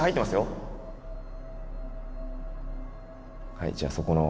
はいじゃあそこの。